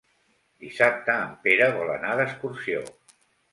Dissabte en Pere vol anar d'excursió.